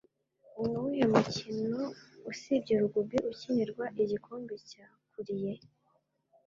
Nuwuhe mukino usibye Rugby ukinirwa Igikombe cya Currie?